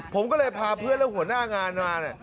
ผมก็เลยพาเพื่อนและหัวหน้างานมา